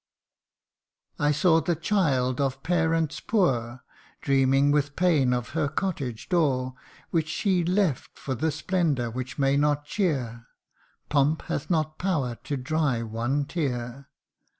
" I saw the child of parents poor, Dreaming with pain of her cottage door ; Which she left for the splendour which may not cheer Pomp hath not power to dry one tear.